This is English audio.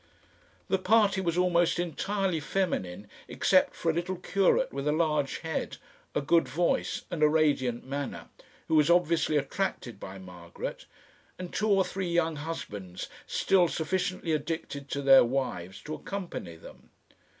The party was almost entirely feminine except for a little curate with a large head, a good voice and a radiant manner, who was obviously attracted by Margaret, and two or three young husbands still sufficiently addicted to their wives to accompany them.